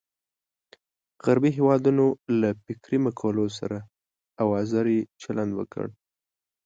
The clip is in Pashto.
غربي هېوادونو له فکري مقولو سره اوزاري چلند وکړ.